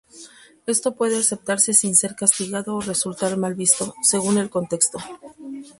Esto puede aceptarse sin ser castigado o resultar mal visto, según el contexto.